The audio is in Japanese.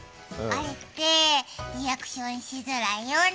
あれって、リアクションしづらいよね。